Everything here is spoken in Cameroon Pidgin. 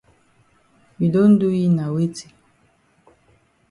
You don do yi na weti?